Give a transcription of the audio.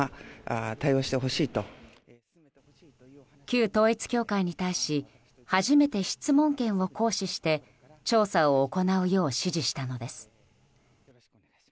旧統一教会に対し初めて質問権を行使して調査を行うよう指示したのです。